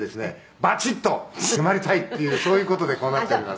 バチッと締まりたいっていうそういう事でこうなっております」